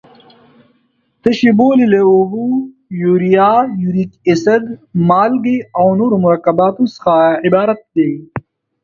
تشې بولې له اوبو، یوریا، یوریک اسید، مالګې او نورو مرکباتو څخه عبارت دي.